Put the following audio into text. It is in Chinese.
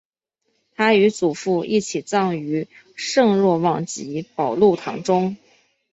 他与祖父一起葬于圣若望及保禄堂中。